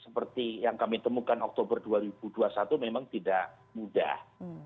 seperti yang kami temukan oktober dua ribu dua puluh satu memang tidak mudah